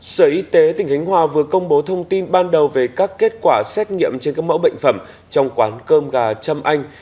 sở y tế tỉnh khánh hòa vừa công bố thông tin ban đầu về các kết quả xét nghiệm trên các mẫu bệnh phẩm trong quán cơm gà trâm anh